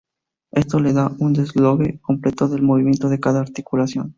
Esto le da un desglose completo del movimiento de cada articulación.